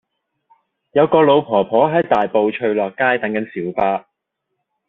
有個老婆婆喺大埔翠樂街等緊小巴